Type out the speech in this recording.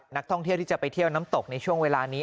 นักท่องเที่ยวที่จะไปเที่ยวน้ำตกในช่วงเวลานี้